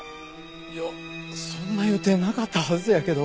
いやそんな予定なかったはずやけど。